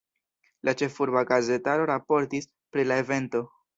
La ĉefurba gazetaro raportis pri la evento.